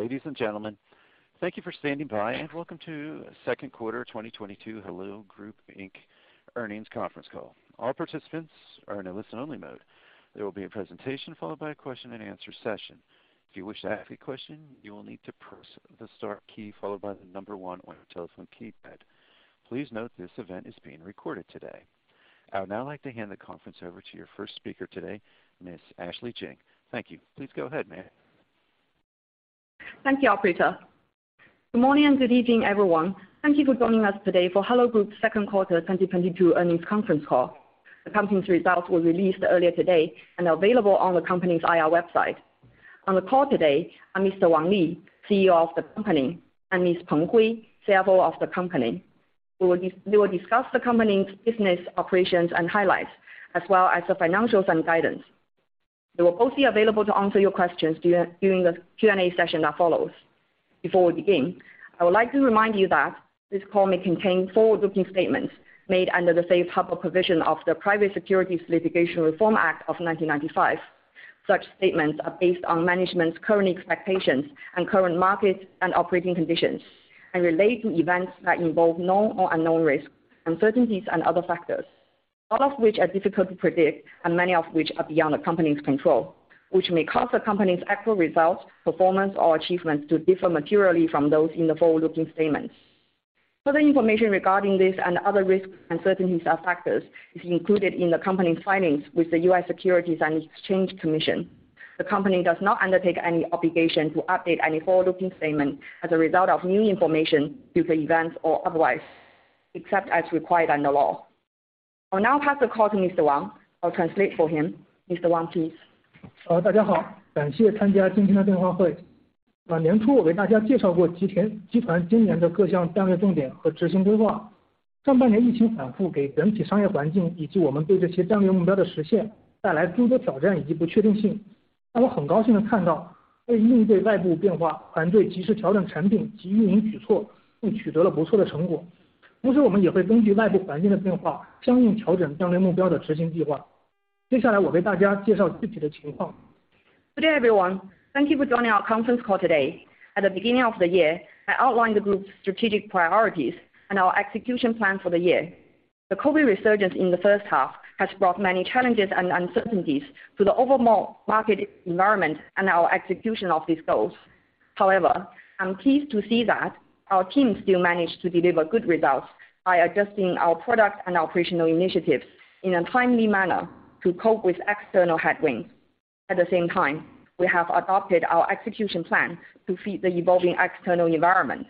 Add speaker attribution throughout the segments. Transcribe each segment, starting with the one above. Speaker 1: Ladies and gentlemen, thank you for standing by, and welcome to second quarter 2022 Hello Group Inc. earnings conference call. All participants are in a listen-only mode. There will be a presentation followed by a question-and-answer session. If you wish to ask a question, you will need to press the star key followed by the number one on your telephone keypad. Please note this event is being recorded today. I would now like to hand the conference over to your first speaker today, Ms. Ashley Jing. Thank you. Please go ahead, ma'am.
Speaker 2: Thank you, operator. Good morning and good evening, everyone. Thank you for joining us today for Hello Group second quarter 2022 earnings conference call. The company's results were released earlier today and available on the company's IR website. On the call today are Mr. Wang Li, CEO of the company, and Ms. Peng Hui, CFO of the company. We will discuss the company's business operations and highlights as well as the financials and guidance. They will both be available to answer your questions during the Q&A session that follows. Before we begin, I would like to remind you that this call may contain forward-looking statements made under the safe harbor provision of the Private Securities Litigation Reform Act of 1995. Such statements are based on management's current expectations and current market and operating conditions and relate to events that involve known or unknown risks, uncertainties and other factors, some of which are difficult to predict and many of which are beyond the company's control, which may cause the company's actual results, performance or achievements to differ materially from those in the forward-looking statements. Further information regarding this and other risks, uncertainties and factors is included in the company's filings with the U.S. Securities and Exchange Commission. The company does not undertake any obligation to update any forward-looking statement as a result of new information, future events or otherwise, except as required under law. I'll now pass the call to Mr. Wang. I'll translate for him. Mr. Wang, please.
Speaker 3: Hello，大家好。感谢参加今天的电话会。年初我为大家介绍过集团今年的各项战略重点和执行规划。上半年疫情反复，给整体商业环境以及我们对这些战略目标的实现带来诸多挑战以及不确定性。但我很高兴地看到，为应对外部变化，团队及时调整产品及运营举措，并取得了不错的成果。同时我们也会根据外部环境的变化，相应调整战略目标的执行计划。接下来我为大家介绍具体的情况。
Speaker 2: Good day, everyone. Thank you for joining our conference call today. At the beginning of the year, I outlined the group's strategic priorities and our execution plan for the year. The COVID resurgence in the first half has brought many challenges and uncertainties to the overall market environment and our execution of these goals. However, I'm pleased to see that our team still managed to deliver good results by adjusting our product and operational initiatives in a timely manner to cope with external headwinds. At the same time, we have adopted our execution plan to fit the evolving external environment.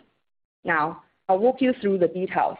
Speaker 2: Now, I'll walk you through the details.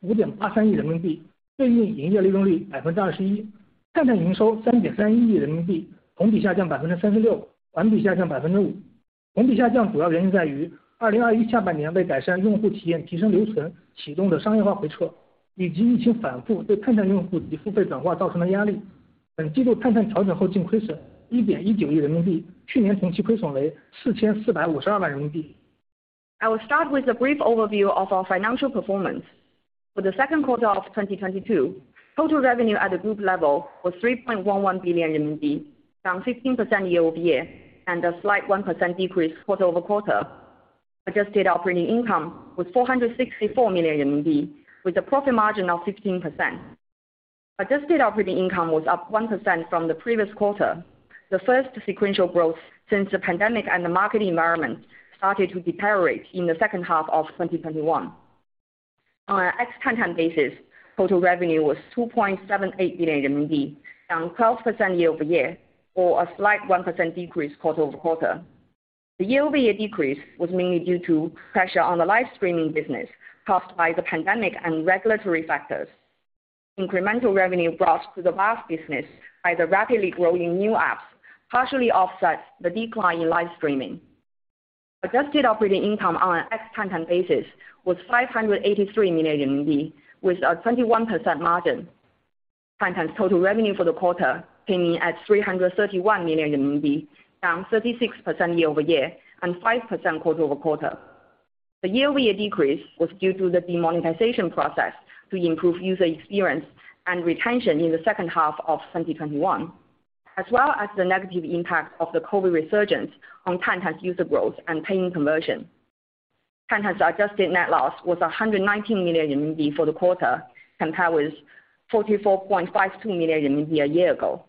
Speaker 2: I will start with a brief overview of our financial performance. For the second quarter of 2022, total revenue at the group level was 3.11 billion RMB, down 15% year-over-year and a slight 1% decrease quarter-over-quarter. Adjusted operating income was 464 million, with a profit margin of 15%. Adjusted operating income was up 1% from the previous quarter, the first sequential growth since the pandemic and the market environment started to deteriorate in the second half of 2021. On an ex-Tantan basis, total revenue was 2.78 billion RMB, down 12% year-over-year or a slight 1% decrease quarter-over-quarter. The year-over-year decrease was mainly due to pressure on the live streaming business caused by the pandemic and regulatory factors. Incremental revenue brought to the VAS business by the rapidly growing new apps partially offsets the decline in live streaming. Adjusted operating income on an ex-Tantan basis was 583 million RMB, with a 21% margin. Tantan's total revenue for the quarter came in at 331 million RMB, down 36% year-over-year and 5% quarter-over-quarter. The year-over-year decrease was due to the demonetization process to improve user experience and retention in the second half of 2021, as well as the negative impact of the COVID resurgence on Tantan's user growth and paying conversion. Tantan's adjusted net loss was 119 million RMB for the quarter, compared with 44.52 million RMB a year ago.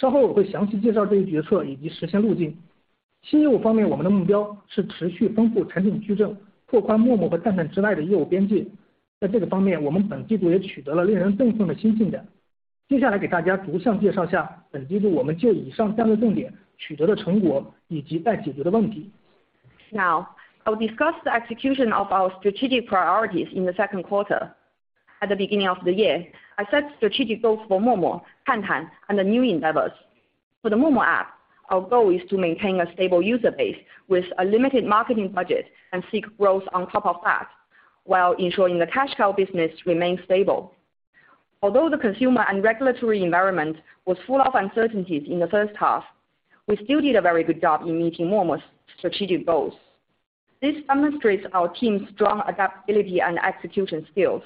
Speaker 2: Now, I'll discuss the execution of our strategic priorities in the second quarter. At the beginning of the year, I set strategic goals for Momo, Tantan, and the new endeavors. For the Momo app, our goal is to maintain a stable user base with a limited marketing budget and seek growth on top of that, while ensuring the cash cow business remains stable. Although the consumer and regulatory environment was full of uncertainties in the first half, we still did a very good job in meeting Momo's strategic goals. This demonstrates our team's strong adaptability and execution skills.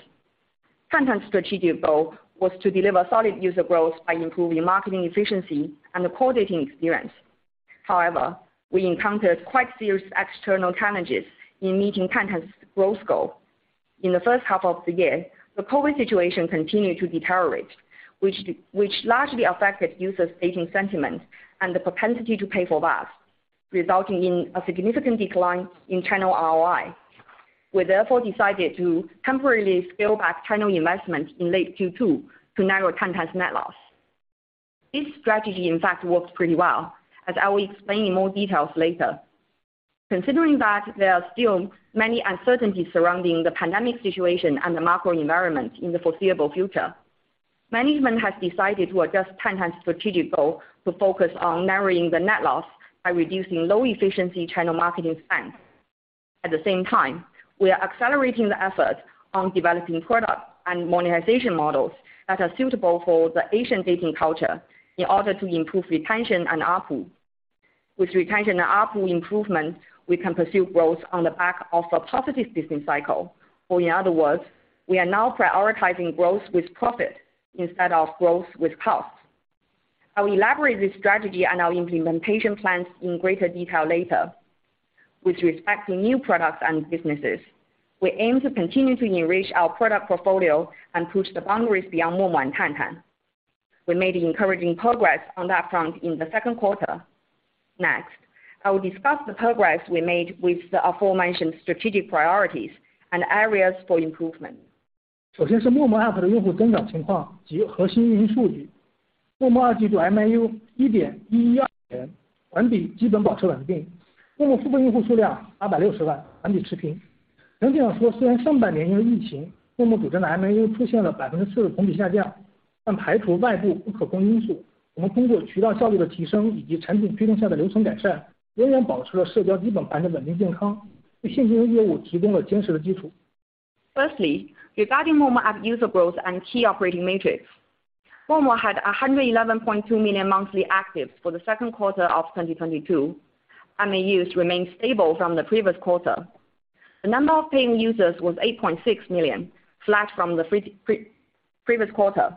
Speaker 2: Tantan's strategic goal was to deliver solid user growth by improving marketing efficiency and the core dating experience. However, we encountered quite serious external challenges in meeting Tantan's growth goal. In the first half of the year, the COVID situation continued to deteriorate, which largely affected users dating sentiment and the propensity to pay for that, resulting in a significant decline in channel ROI. We therefore decided to temporarily scale back channel investment in late Q2 to narrow Tantan's net loss. This strategy in fact works pretty well, as I will explain in more details later. Considering that there are still many uncertainties surrounding the pandemic situation and the macro environment in the foreseeable future, management has decided to adjust Tantan's strategic goal to focus on narrowing the net loss by reducing low-efficiency channel marketing spend. At the same time, we are accelerating the efforts on developing product and monetization models that are suitable for the Asian dating culture in order to improve retention and ARPU. With retention and ARPU improvement, we can pursue growth on the back of a positive business cycle. In other words, we are now prioritizing growth with profit instead of growth with cost. I will elaborate this strategy and our implementation plans in greater detail later. With respect to new products and businesses, we aim to continue to enrich our product portfolio and push the boundaries beyond Momo and Tantan. We made encouraging progress on that front in the second quarter. Next, I will discuss the progress we made with the aforementioned strategic priorities and areas for improvement.
Speaker 3: 首先是陌陌app的用户增长情况及核心运营数据。陌陌二季度MAU 1.112亿，环比基本保持稳定。陌陌付费用户数量860万，环比持平。整体上说，虽然上半年因为疫情，陌陌主站的MAU出现了4%的同比下降，但排除外部不可控因素，我们通过渠道效率的提升以及产品驱动下的留存改善，仍然保持了社交基本盘的稳定健康，为现金流业务提供了坚实的基础。
Speaker 2: Firstly, regarding Momo app user growth and key operating metrics, Momo had 111.2 million monthly actives for the second quarter of 2022. MAUs remained stable from the previous quarter. The number of paying users was 8.6 million, flat from the previous quarter.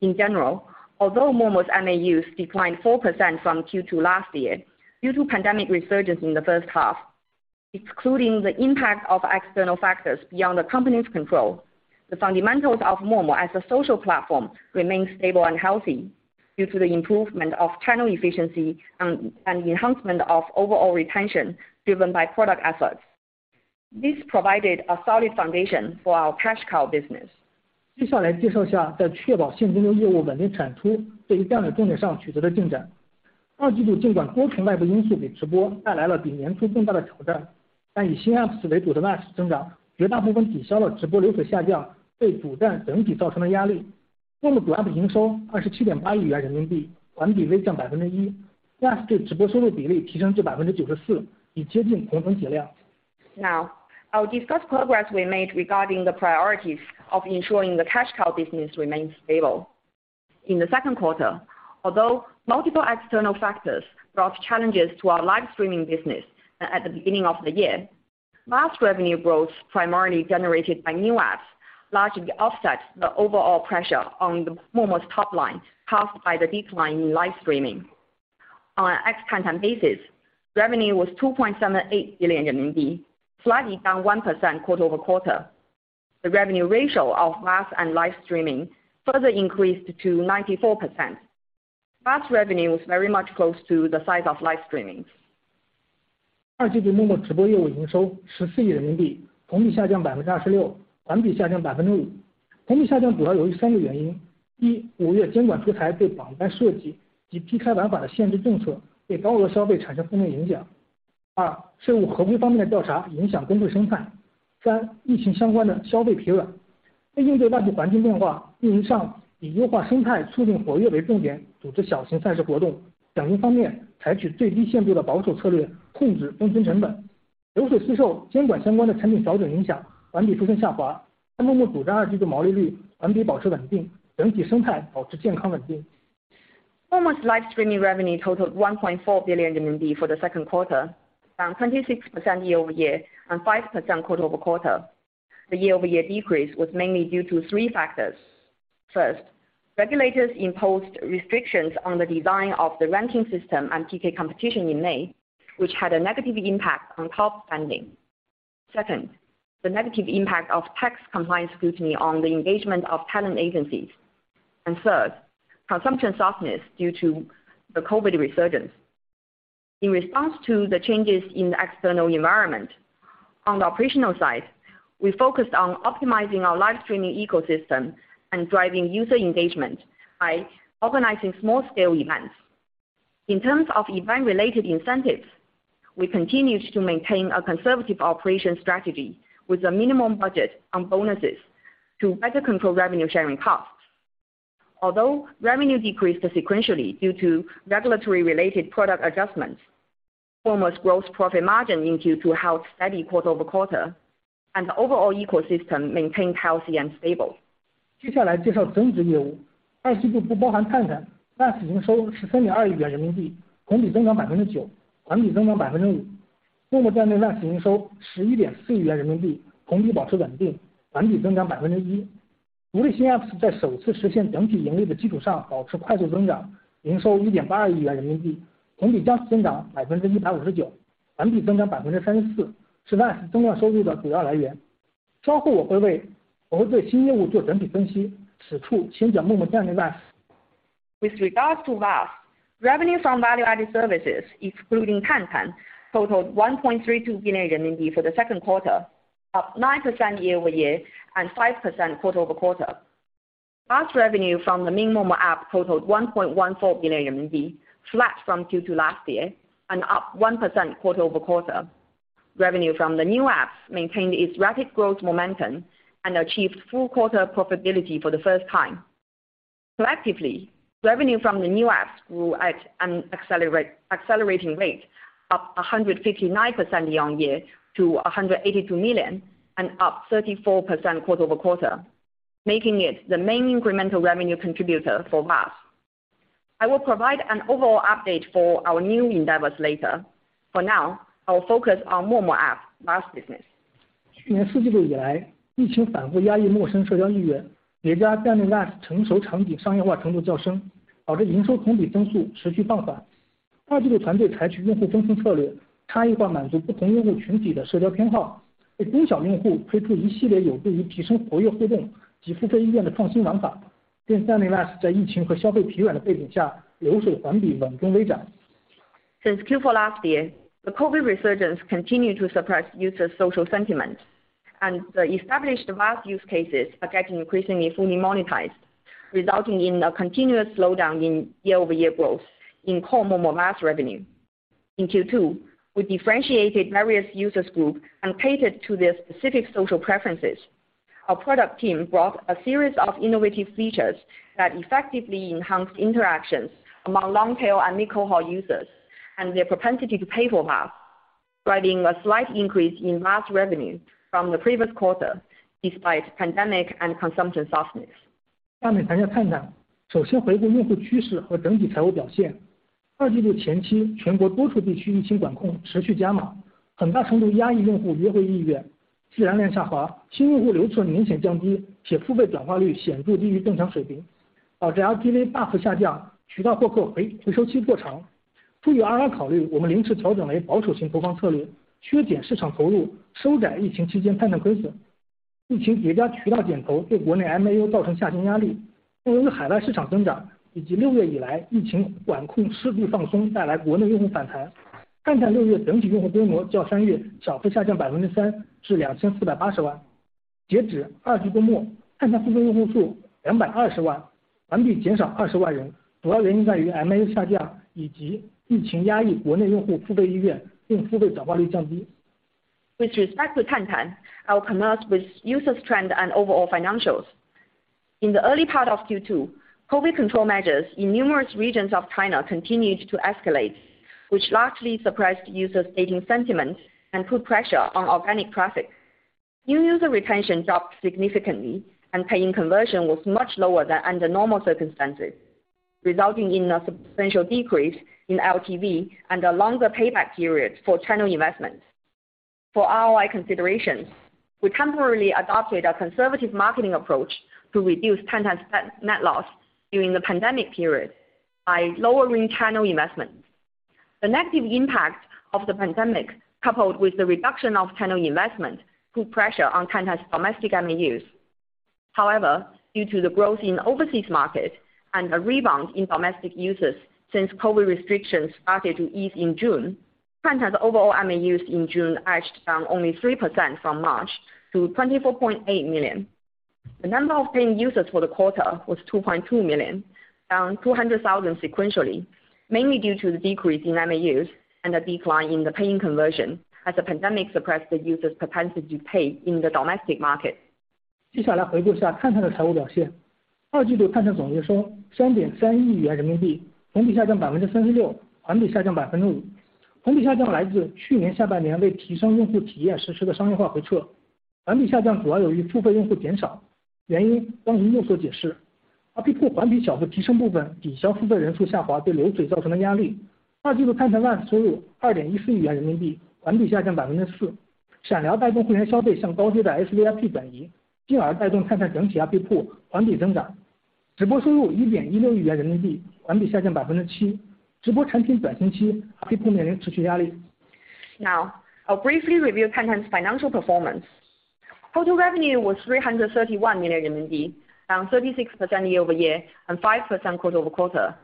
Speaker 2: In general, although Momo's MAUs declined 4% from Q2 last year due to pandemic resurgence in the first half, excluding the impact of external factors beyond the company's control, the fundamentals of Momo as a social platform remain stable and healthy due to the improvement of channel efficiency and enhancement of overall retention driven by product efforts. This provided a solid foundation for our cash cow business.
Speaker 3: 接下来介绍下在确保现金流业务稳定产出这一战略重点上取得的进展。二季度，尽管多重外部因素给直播带来了比年初更大的挑战，但以新apps为主的VAS增长绝大部分抵消了直播流水下降对主站整体造成的压力。陌陌主app营收27.8亿元人民币，环比微降1%。VAS对直播收入比例提升至94%，已接近红线量。
Speaker 2: Now, I'll discuss progress we made regarding the priorities of ensuring the cash cow business remains stable. In the second quarter, although multiple external factors brought challenges to our live streaming business at the beginning of the year, VAS revenue growth, primarily generated by new apps, largely offset the overall pressure on Momo's top line caused by the decline in live streaming. On an ex-Tantan basis, revenue was 2.78 billion RMB, slightly down 1% quarter-over-quarter. The revenue ratio of VAS and live streaming further increased to 94%. VAS revenue was very much close to the size of live streaming. Live streaming revenue totaled 1.4 billion RMB for the second quarter, down 26% year-over-year and 5% quarter-over-quarter. The year-over-year decrease was mainly due to three factors. First, regulators imposed restrictions on the design of the ranking system and PK competition in May, which had a negative impact on top spending. Second, the negative impact of tax compliance scrutiny on the engagement of talent agencies. Third, consumption softness due to the COVID resurgence. In response to the changes in the external environment, on the operational side, we focused on optimizing our live streaming ecosystem and driving user engagement by organizing small-scale events. In terms of event-related incentives, we continued to maintain a conservative operation strategy with a minimum budget on bonuses to better control revenue sharing costs. Although revenue decreased sequentially due to regulatory related product adjustments, Momo's gross profit margin continued to hold steady quarter-over-quarter, and the overall ecosystem maintained healthy and stable.
Speaker 3: 接下来介绍增值业务。二季度不包含探探，VAS营收13.2亿元人民币，同比增长9%，环比增长5%。陌陌站内VAS营收11.4亿元人民币，同比保持稳定，环比增长1%。独立新APP在首次实现整体盈利的基础上保持快速增长，营收1.82亿元人民币，同比增长159%，环比增长34%，是VAS增长收入的主要来源。稍后我会对新业务做整体分析，此处先讲陌陌站内VAS。
Speaker 2: With regards to VAS, revenue from value-added services including Tantan totaled 1.32 billion RMB for the second quarter, up 9% year-over-year, and 5% quarter-over-quarter. VAS revenue from the main Momo app totaled 1.14 billion RMB flat from Q2 last year and up 1% quarter-over-quarter. Revenue from the new apps maintained its rapid growth momentum and achieved full quarter profitability for the first time. Collectively, revenue from the new apps grew at an accelerating rate, up 159% year-over-year to 182 million and up 34% quarter-over-quarter, making it the main incremental revenue contributor for VAS. I will provide an overall update for our new endeavors later. For now, I will focus on Momo app VAS business.
Speaker 3: 去年四季度以来，疫情反复压抑陌生社交意愿，叠加站内VAS成熟场景，商业化程度较深，导致营收同比增速持续放缓。二季度团队采取用户分层策略，差异化满足不同用户群体的社交偏好，对中小用户推出一系列有助于提升活跃互动及付费意愿的创新玩法，并站内VAS在疫情和消费疲软的背景下，流水环比稳中微涨。
Speaker 2: Since Q4 last year, the COVID resurgence continued to suppress users' social sentiment, and the established VAS use cases are getting increasingly fully monetized, resulting in a continuous slowdown in year-over-year growth in core Momo VAS revenue. In Q2, we differentiated various users group and catered to their specific social preferences. Our product team brought a series of innovative features that effectively enhanced interactions among long-tail and mid-to-low-end users and their propensity to pay for VAS, driving a slight increase in VAS revenue from the previous quarter despite pandemic and consumption softness. With respect to Tantan, I will commence with user trends and overall financials. In the early part of Q2, COVID control measures in numerous regions of China continued to escalate, which largely suppressed users' dating sentiments and put pressure on organic traffic. New user retention dropped significantly, and paying conversion was much lower than under normal circumstances, resulting in a substantial decrease in LTV and a longer payback period for channel investments. For ROI considerations, we temporarily adopted a conservative marketing approach to reduce Tantan's net loss during the pandemic period by lowering channel investments. The negative impact of the pandemic, coupled with the reduction of channel investment, put pressure on Tantan's domestic MAUs. However, due to the growth in overseas markets and a rebound in domestic users since COVID restrictions started to ease in June, Tantan's overall MAUs in June edged down only 3% from March to 24.8 million. The number of paying users for the quarter was 2.2 million, down 200,000 sequentially, mainly due to the decrease in MAUs and a decline in the paying conversion as the pandemic suppressed the users' propensity to pay in the domestic market. Now I'll briefly review Tantan's financial performance. Total revenue was 331 million RMB, down 36% year-over-year and 5% quarter-over-quarter.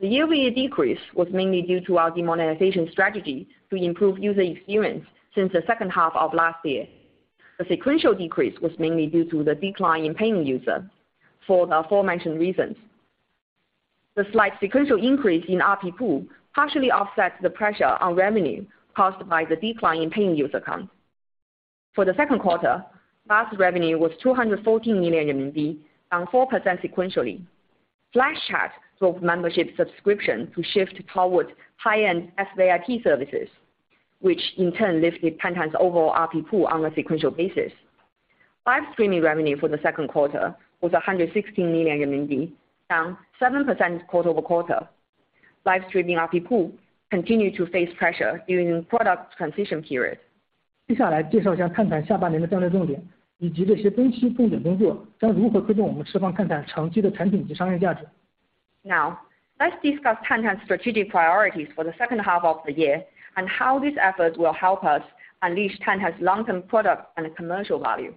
Speaker 2: The year-over-year decrease was mainly due to our demonetization strategy to improve user experience since the second half of last year. The sequential decrease was mainly due to the decline in paying user for the aforementioned reasons. The slight sequential increase in RPPU partially offset the pressure on revenue caused by the decline in paying user count. For the second quarter, MAUs revenue was 214 million RMB, down 4% sequentially. FlashChat drove membership subscription to shift towards high-end SVIP services, which in turn lifted Tantan's overall RPPU on a sequential basis. Live streaming revenue for the second quarter was 116 million RMB, down 7% quarter-over-quarter. Live streaming RPPU continued to face pressure during product transition period. Now let's discuss Tantan's strategic priorities for the second half of the year and how these efforts will help us unleash Tantan's long-term product and commercial value.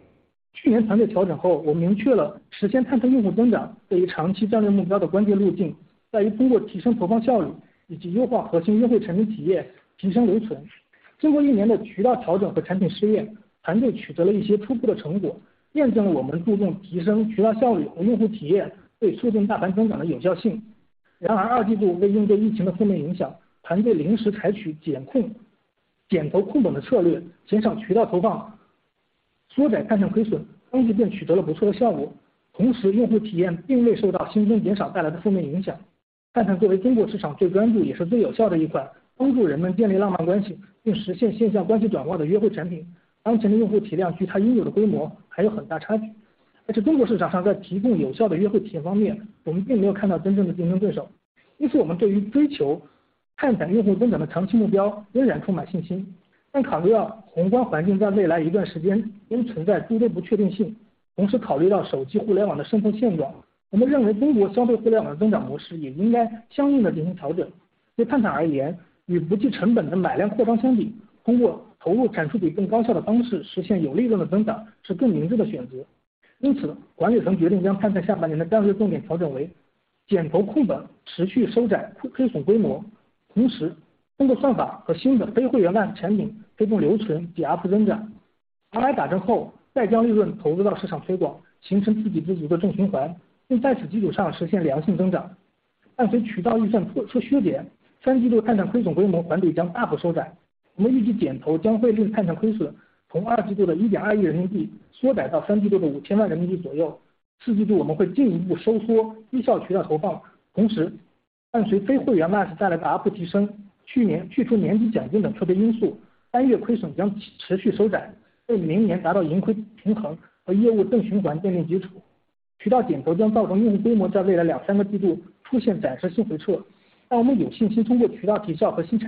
Speaker 2: After the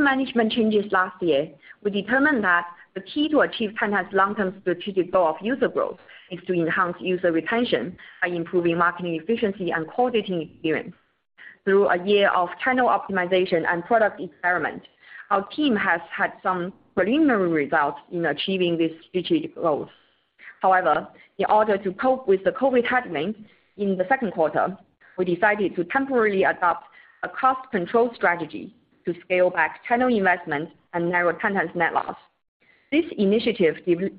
Speaker 2: management changes last year, we determined that the key to achieve Tantan's long-term strategic goal of user growth is to enhance user retention by improving marketing efficiency and core dating experience. Through a year of channel optimization and product experiment, our team has had some preliminary results in achieving this strategic growth. However, in order to cope with the COVID headwind in the second quarter, we decided to temporarily adopt a cost control strategy to scale back channel investment and narrow Tantan's net loss. This initiative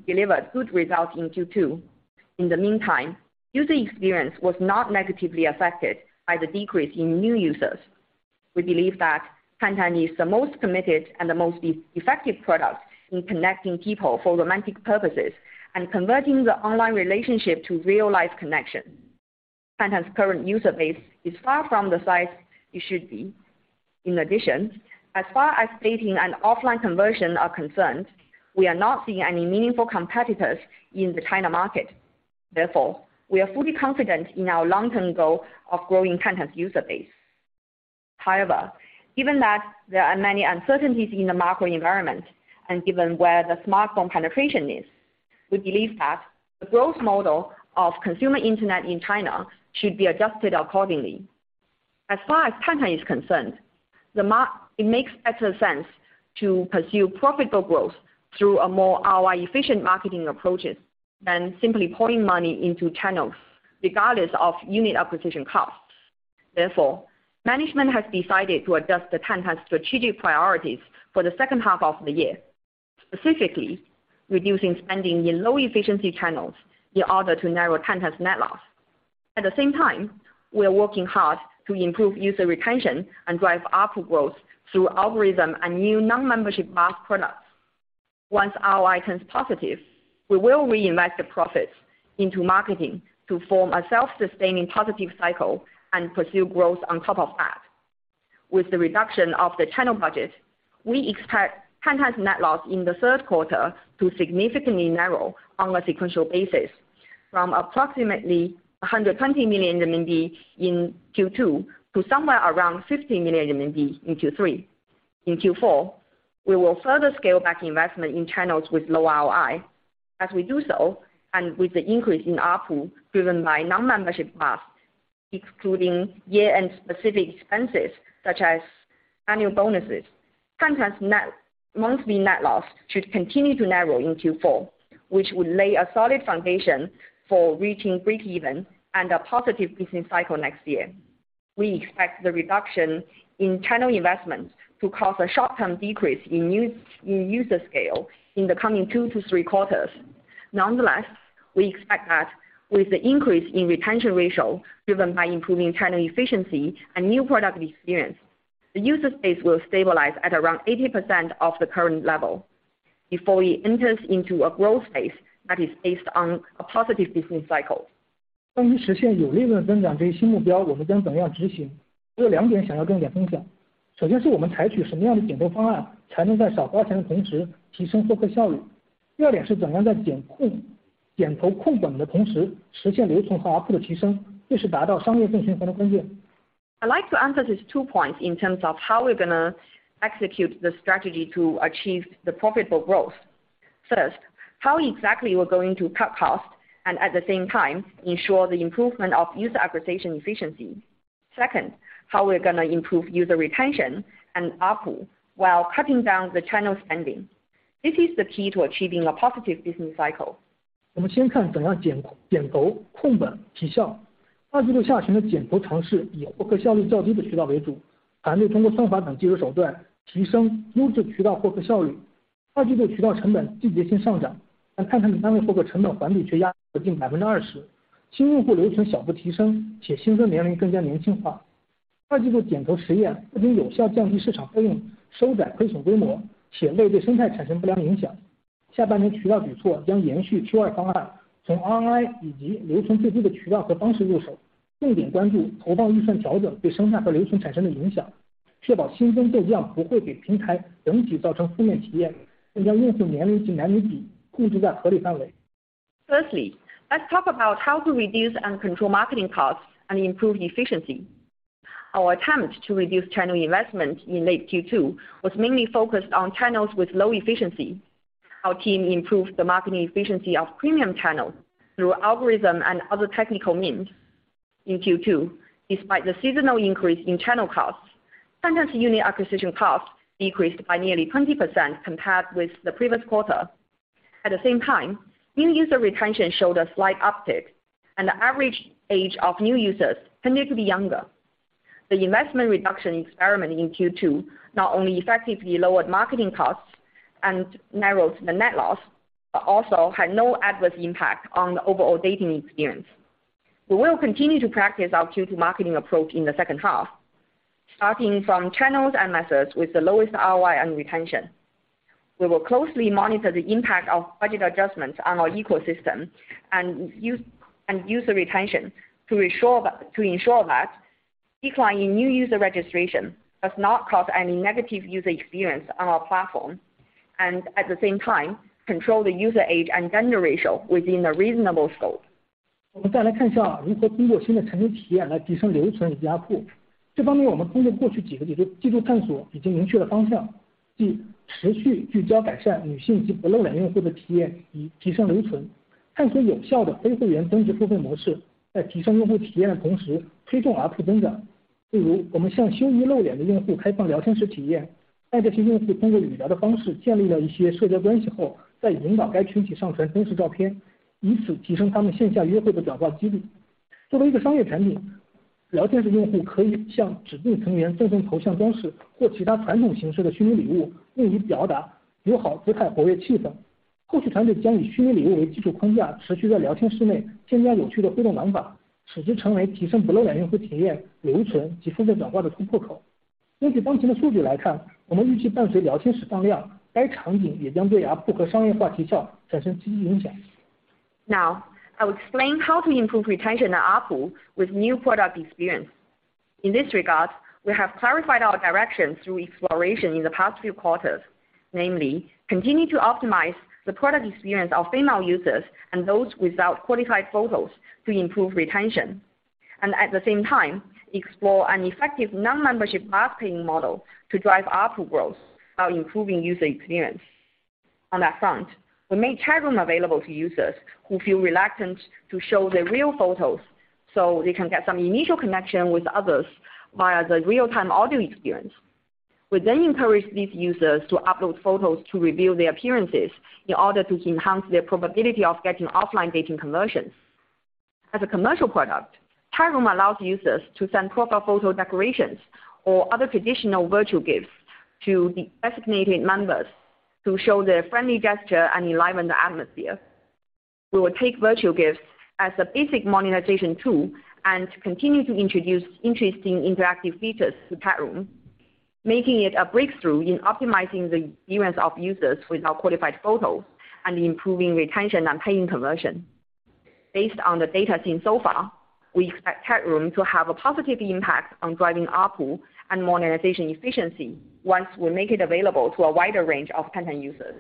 Speaker 2: delivered good results in Q2. In the meantime, user experience was not negatively affected by the decrease in new users. We believe that Tantan is the most committed and the most effective product in connecting people for romantic purposes and converting the online relationship to real life connection. Tantan's current user base is far from the size it should be. In addition, as far as dating and offline conversion are concerned, we are not seeing any meaningful competitors in the China market. Therefore, we are fully confident in our long-term goal of growing Tantan's user base. However, given that there are many uncertainties in the macro environment, and given where the smartphone penetration is. We believe that the growth model of consumer internet in China should be adjusted accordingly. As far as Tantan is concerned, it makes better sense to pursue profitable growth through a more ROI-efficient marketing approaches than simply pouring money into channels regardless of unit acquisition costs. Therefore, management has decided to adjust the Tantan strategic priorities for the second half of the year, specifically reducing spending in low efficiency channels in order to narrow Tantan's net loss. At the same time, we are working hard to improve user retention and drive ARPU growth through algorithm and new non-membership mass products. Once ROI turns positive, we will reinvest the profits into marketing to form a self-sustaining positive cycle and pursue growth on top of that. With the reduction of the channel budget, we expect Tantan's net loss in the third quarter to significantly narrow on a sequential basis from approximately 120 million RMB in Q2 to somewhere around 50 million RMB in Q3. In Q4, we will further scale back investment in channels with low ROI. As we do so, and with the increase in ARPU driven by non-membership mass, excluding year-end specific expenses such as annual bonuses, Tantan's monthly net loss should continue to narrow in Q4, which would lay a solid foundation for reaching breakeven and a positive business cycle next year. We expect the reduction in channel investments to cause a short-term decrease in user scale in the coming two to three quarters. Nonetheless, we expect that with the increase in retention ratio driven by improving channel efficiency and new product experience, the user base will stabilize at around 80% of the current level before it enters into a growth phase that is based on a positive business cycle. I'd like to answer these two points in terms of how we're gonna execute the strategy to achieve the profitable growth. First, how exactly we're going to cut cost and at the same time ensure the improvement of user acquisition efficiency. Second, how we're gonna improve user retention and ARPU while cutting down the channel spending. This is the key to achieving a positive business cycle. Firstly, let's talk about how to reduce and control marketing costs and improve efficiency. Our attempt to reduce channel investment in late Q2 was mainly focused on channels with low efficiency. Our team improved the marketing efficiency of premium channels through algorithm and other technical means. In Q2, despite the seasonal increase in channel costs, Tantan's unit acquisition costs decreased by nearly 20% compared with the previous quarter. At the same time, new user retention showed a slight uptick, and the average age of new users tended to be younger. The investment reduction experiment in Q2 not only effectively lowered marketing costs and narrowed the net loss, but also had no adverse impact on the overall dating experience. We will continue to practice our Q2 marketing approach in the second half, starting from channels and methods with the lowest ROI and retention. We will closely monitor the impact of budget adjustments on our ecosystem and user retention to ensure that decline in new user registration does not cause any negative user experience on our platform, and at the same time, control the user age and gender ratio within a reasonable scope. Now, I'll explain how to improve retention and ARPU with new product experience. In this regard, we have clarified our direction through exploration in the past few quarters. Namely, continue to optimize the product experience of female users and those without qualified photos to improve retention. At the same time explore an effective non-membership marketing model to drive ARPU growth while improving user experience. On that front, we make chat room available to users who feel reluctant to show their real photos so they can get some initial connection with others via the real-time audio experience. We then encourage these users to upload photos to review their appearances in order to enhance their probability of getting offline dating conversions. As a commercial product, chat room allows users to send proper photo decorations or other traditional virtual gifts to the designated members to show their friendly gesture and enliven the atmosphere. We will take virtual gifts as the basic monetization tool and continue to introduce interesting interactive features to chat room, making it a breakthrough in optimizing the experience of users with our qualified photos and improving retention and paying conversion. Based on the data seen so far, we expect chat room to have a positive impact on driving ARPU and monetization efficiency once we make it available to a wider range of content users.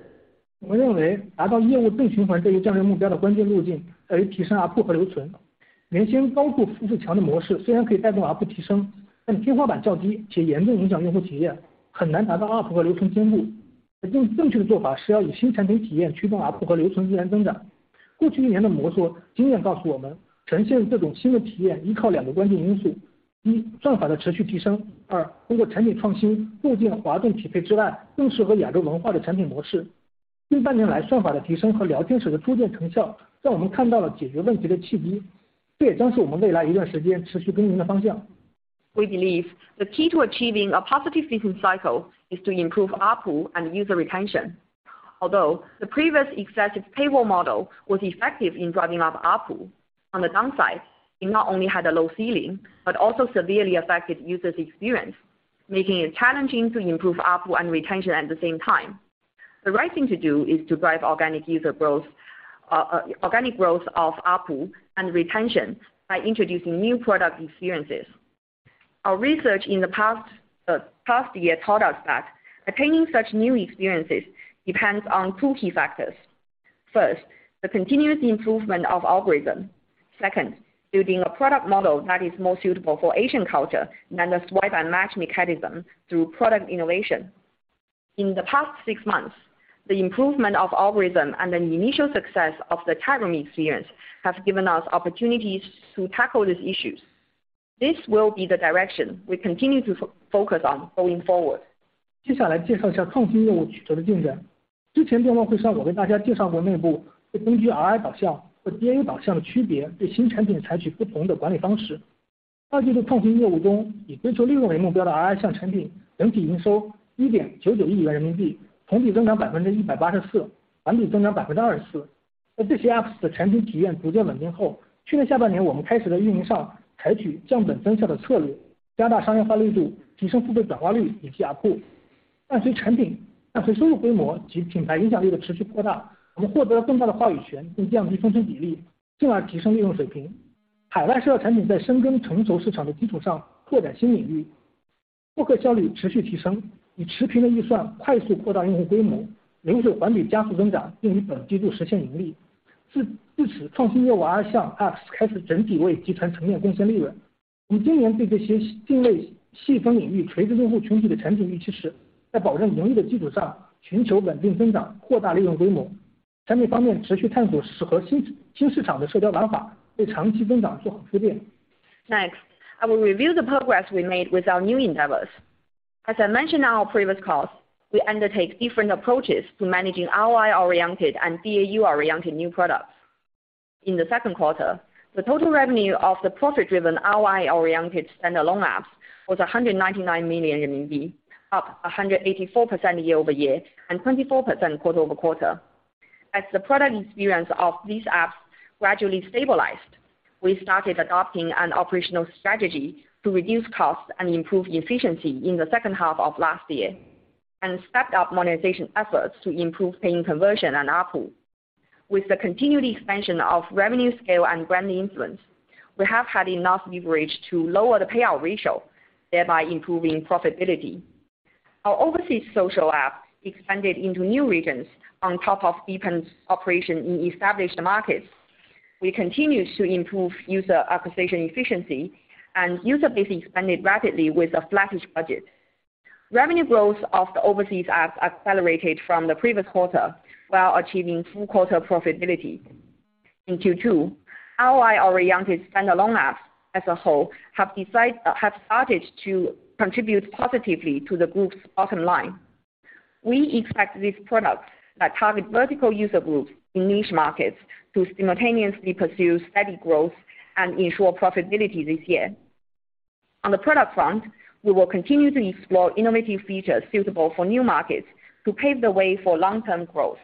Speaker 3: 我们认为达到业务正循环这一战略目标的关键路径在于提升ARPU和留存。原先高付费墙的模式虽然可以带动ARPU提升，但天花板较低，且严重影响用户体验，很难达到ARPU和留存兼顾。而更正确的做法是要以新产品体验驱动ARPU和留存自然增长。过去一年的磨砺经验告诉我们，呈现这种新的体验依靠两个关键因素：一、算法的持续提升。二、通过产品创新构建滑动匹配之外更适合亚洲文化的产品模式。近半年来，算法的提升和聊天室的初见成效让我们看到了解决问题的契机，这也将是我们未来一段时间持续耕耘的方向。
Speaker 2: We believe the key to achieving a positive business cycle is to improve ARPU and user retention. Although the previous excessive payable model was effective in driving up ARPU, on the downside, it not only had a low ceiling, but also severely affected user's experience, making it challenging to improve ARPU and retention at the same time. The right thing to do is to drive organic user growth, organic growth of ARPU and retention by introducing new product experiences. Our research in the past year taught us that attaining such new experiences depends on two key factors. First, the continuous improvement of algorithm. Second, building a product model that is more suitable for Asian culture than the swipe and match mechanism through product innovation. In the past six months, the improvement of algorithm and the initial success of the chat room experience have given us opportunities to tackle these issues. This will be the direction we continue to focus on going forward. Next, I will review the progress we made with our new endeavors. As I mentioned on our previous calls, we undertake different approaches to managing ROI-oriented and DAU-oriented new products. In the second quarter, the total revenue of the profit-driven ROI-oriented standalone apps was 199 million RMB, up 184% year-over-year, and 24% quarter-over-quarter. As the product experience of these apps gradually stabilized, we started adopting an operational strategy to reduce costs and improve efficiency in the second half of last year and stepped up monetization efforts to improve paying conversion and ARPU. With the continued expansion of revenue scale and brand influence, we have had enough leverage to lower the payout ratio, thereby improving profitability. Our overseas social app expanded into new regions on top of deepening operation in established markets. We continue to improve user acquisition efficiency and user base expanded rapidly with a flattish budget. Revenue growth of the overseas apps accelerated from the previous quarter while achieving full quarter profitability. In Q2, ROI-oriented standalone apps as a whole have started to contribute positively to the group's bottom line. We expect these products that target vertical user groups in niche markets to simultaneously pursue steady growth and ensure profitability this year. On the product front, we will continue to explore innovative features suitable for new markets to pave the way for long-term growth.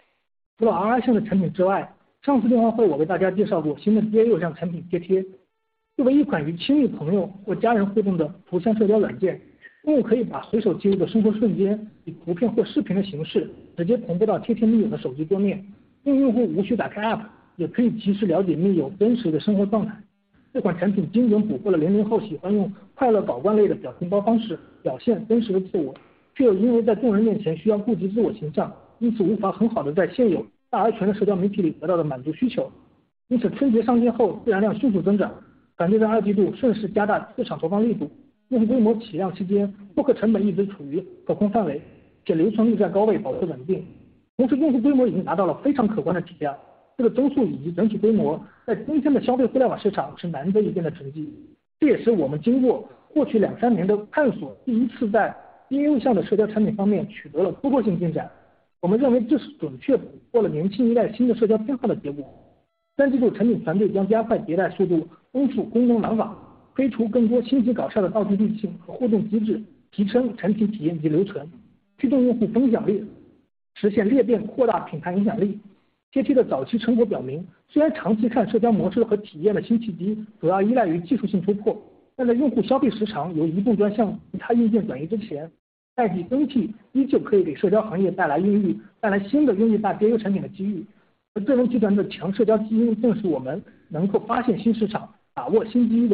Speaker 2: In addition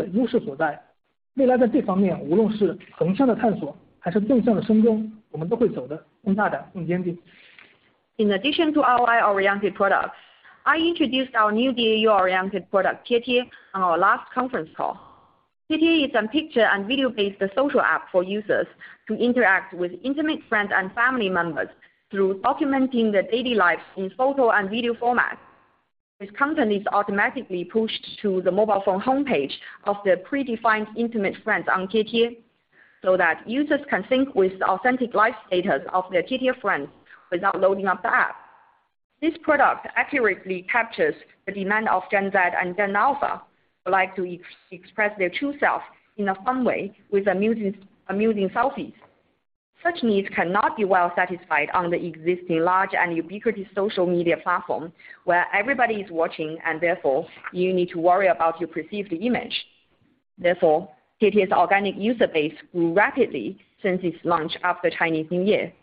Speaker 2: to ROI oriented products, I introduced our new DAU oriented product, Tietie, on our last conference call. Tietie is a picture and video-based social app for users to interact with intimate friends and family members through documenting their daily lives in photo and video format. This content is automatically pushed to the mobile phone homepage of their predefined intimate friends on Tietie, so that users can sync with the authentic life status of their Tietie friends without loading up the app. This product accurately captures the demand of Gen Z and Gen Alpha, who like to express their true self in a fun way with amusing selfies. Such needs cannot be well satisfied on the existing large and ubiquitous social media platform, where everybody is watching, and therefore you need to worry about your perceived image. Therefore, Tietie's organic user base grew rapidly since its launch after Chinese New Year.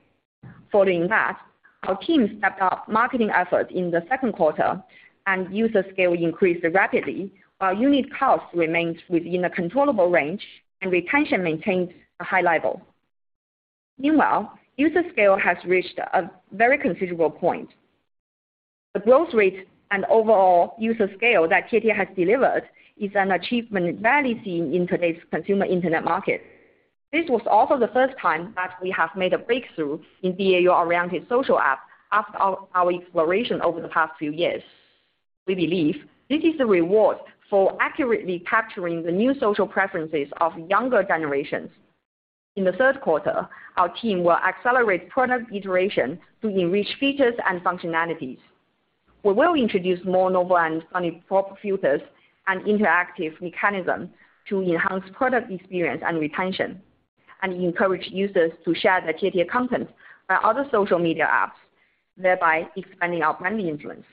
Speaker 2: Following that, our team stepped up marketing efforts in the second quarter and user scale increased rapidly while unit cost remains within a controllable range and retention maintains a high level. Meanwhile, user scale has reached a very considerable point. The growth rate and overall user scale that Tietie has delivered is an achievement rarely seen in today's consumer internet market. This was also the first time that we have made a breakthrough in DAU-oriented social app after our exploration over the past few years. We believe this is the reward for accurately capturing the new social preferences of younger generations. In the third quarter, our team will accelerate product iteration to enrich features and functionalities. We will introduce more novel and funny prop filters and interactive mechanism to enhance product experience and retention, and encourage users to share their Tietie content on other social media apps, thereby expanding our brand influence.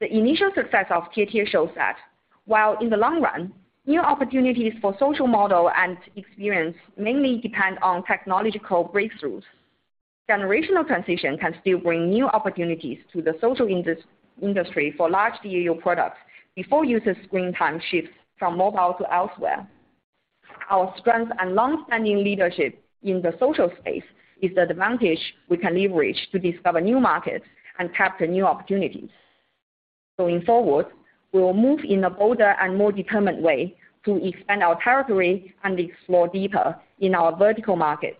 Speaker 2: The initial success of Tietie shows that while in the long run, new opportunities for social model and experience mainly depend on technological breakthroughs. Generational transition can still bring new opportunities to the social industry for large DAU products before user screen time shifts from mobile to elsewhere. Our strength and long-standing leadership in the social space is the advantage we can leverage to discover new markets and capture new opportunities. Going forward, we will move in a bolder and more determined way to expand our territory and explore deeper in our vertical market.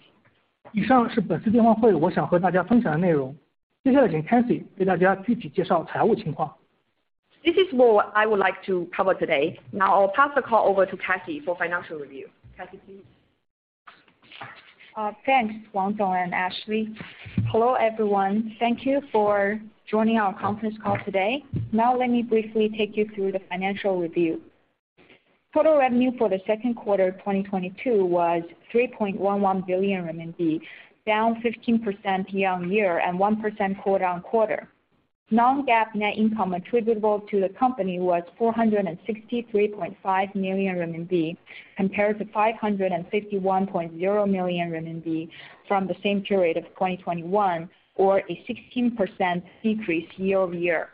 Speaker 3: 以上是本次电话会我想和大家分享的内容，接下来请Cathy给大家具体介绍财务情况。
Speaker 2: This is what I would like to cover today. Now I'll pass the call over to Cathy for financial review. Cathy, please.
Speaker 4: Thanks, Wang Li and Ashley. Hello, everyone. Thank you for joining our conference call today. Now let me briefly take you through the financial review. Total revenue for the second quarter of 2022 was 3.11 billion RMB, down 15% year-over-year and 1% quarter-over-quarter. Non-GAAP net income attributable to the company was 463.5 million RMB, compared to 551.0 million RMB from the same period of 2021 or a 16% decrease year-over-year.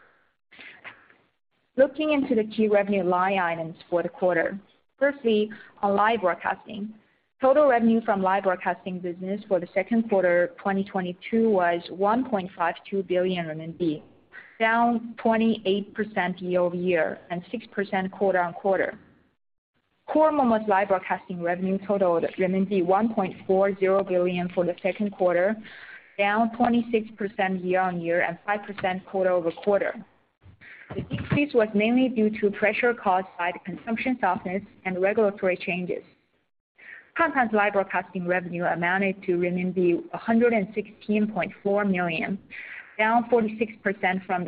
Speaker 4: Looking into the key revenue line items for the quarter. Firstly, on live broadcasting. Total revenue from live broadcasting business for the second quarter 2022 was 1.52 billion RMB, down 28% year-over-year and 6% quarter-over-quarter. Momo live broadcasting revenue totaled RMB 1.40 billion for the second quarter, down 26% year-on-year and 5% quarter-over-quarter. The decrease was mainly due to pressure caused by the consumption softness and regulatory changes. Tantan's live broadcasting revenue amounted to renminbi 116.4 million, down 46% from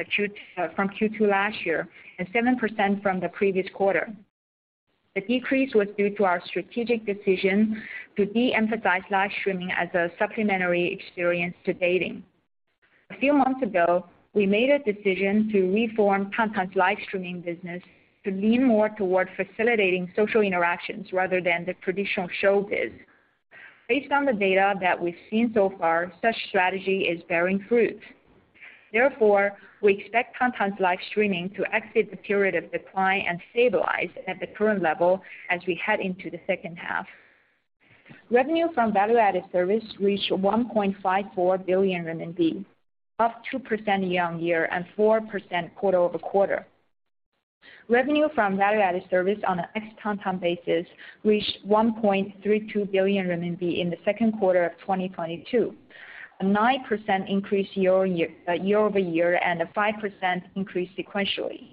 Speaker 4: Q2 last year and 7% from the previous quarter. The decrease was due to our strategic decision to de-emphasize live streaming as a supplementary experience to dating. A few months ago, we made a decision to reform Tantan's live streaming business to lean more toward facilitating social interactions rather than the traditional show biz. Based on the data that we've seen so far, such strategy is bearing fruit. Therefore, we expect Tantan's live streaming to exit the period of decline and stabilize at the current level as we head into the second half. Revenue from value-added service reached 1.54 billion RMB, up 2% year-on-year and 4% quarter-over-quarter. Revenue from value-added service on an ex-Tantan basis reached 1.32 billion renminbi in the second quarter of 2022, a 9% increase year-on-year, year-over-year, and a 5% increase sequentially.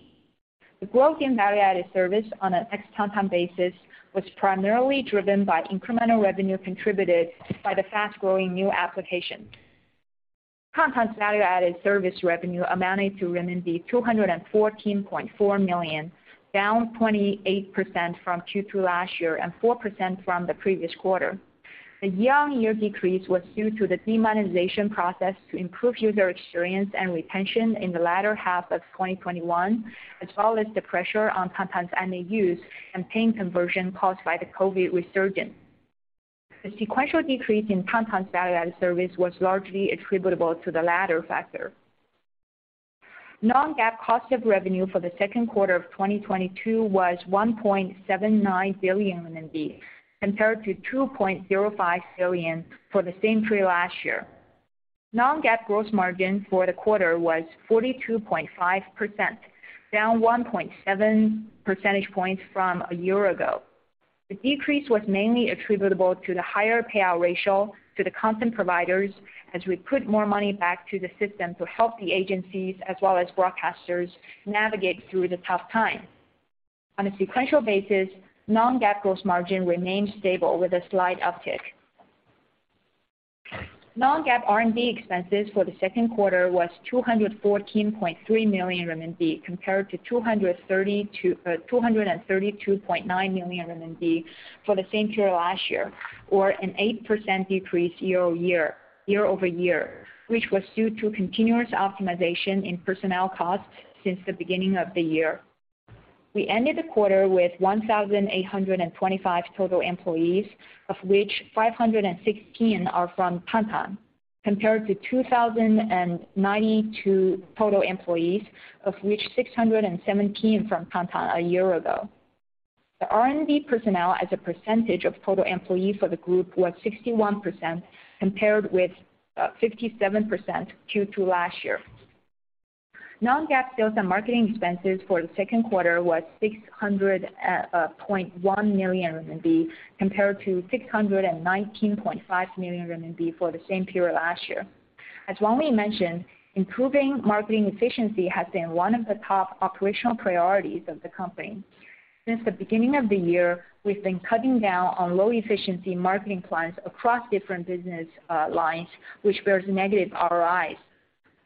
Speaker 4: The growth in value-added service on an ex-Tantan basis was primarily driven by incremental revenue contributed by the fast-growing new application. Tantan's value-added service revenue amounted to RMB 214.4 million, down 28% from Q2 last year and 4% from the previous quarter. The year-over-year decrease was due to the demonetization process to improve user experience and retention in the latter half of 2021, as well as the pressure on Tantan's MAUs and paying conversion caused by the COVID resurgence. The sequential decrease in Tantan's value-added service was largely attributable to the latter factor. Non-GAAP cost of revenue for the second quarter of 2022 was 1.79 billion RMB, compared to 2.05 billion for the same period last year. Non-GAAP gross margin for the quarter was 42.5%, down 1.7 percentage points from a year ago. The decrease was mainly attributable to the higher payout ratio to the content providers as we put more money back to the system to help the agencies as well as broadcasters navigate through the tough time. On a sequential basis, non-GAAP gross margin remained stable with a slight uptick. Non-GAAP R&D expenses for the second quarter was 214.3 million RMB compared to 232.9 million RMB for the same period last year, or an 8% decrease year over year, which was due to continuous optimization in personnel costs since the beginning of the year. We ended the quarter with 1,825 total employees, of which 516 are from Tantan, compared to 2,092 total employees, of which 617 from Tantan a year ago. The R&D personnel as a percentage of total employee for the group was 61% compared with 57% Q2 last year. Non-GAAP sales and marketing expenses for the second quarter was 600.1 million RMB compared to 619.5 million RMB for the same period last year. As Wang Li mentioned, improving marketing efficiency has been one of the top operational priorities of the company. Since the beginning of the year, we've been cutting down on low efficiency marketing plans across different business lines, which bears negative ROIs.